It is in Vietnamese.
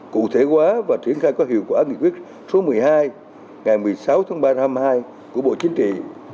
cụ thể hóa và triển khai có hiệu quả nghị quyết số một mươi hai ngày một mươi sáu tháng ba năm hai của bộ chính trị